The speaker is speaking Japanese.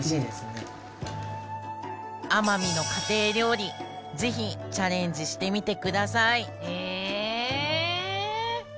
奄美の家庭料理是非チャレンジしてみてくださいへえ。